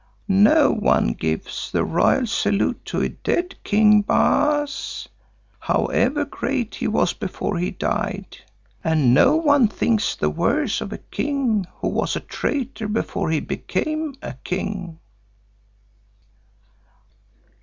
No one gives the royal salute to a dead king, Baas, however great he was before he died, and no one thinks the worse of a king who was a traitor before he became a king."